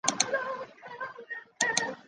积劳卒于官。